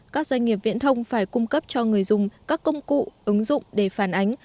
các doanh nghiệp viễn thông phải cung cấp cho người dùng các công cụ ứng dụng để phản ánh